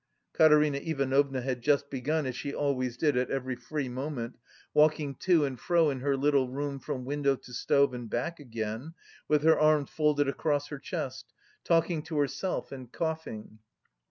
Katerina Ivanovna had just begun, as she always did at every free moment, walking to and fro in her little room from window to stove and back again, with her arms folded across her chest, talking to herself and coughing.